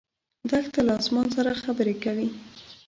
دښته له اسمان سره خبرې کوي.